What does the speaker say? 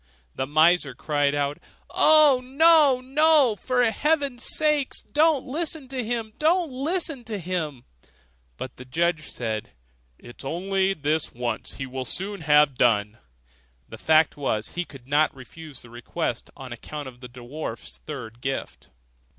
The miser cried out, 'Oh, no! no! for heaven's sake don't listen to him! don't listen to him!' But the judge said, 'It is only this once, he will soon have done.' The fact was, he could not refuse the request, on account of the dwarf's third gift.